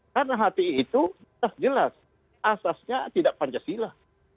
karena h t i itu jelas jelas asasnya tidak pancasila